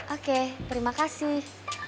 oke terima kasih